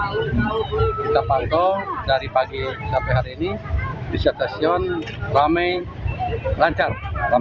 kita pantau dari pagi sampai hari ini di stasiun ramai lancar